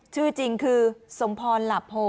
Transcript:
ชื่อจริงคือสมพรหลาโพ